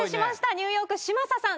ニューヨーク嶋佐さん